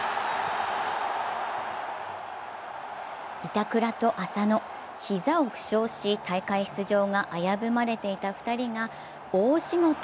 板倉と浅野、膝を負傷し大会出場が危ぶまれていた２人が大仕事。